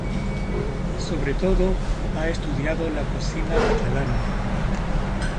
Sobre todo ha estudiado la cocina catalana.